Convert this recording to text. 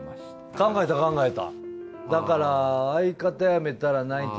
考えた考えた。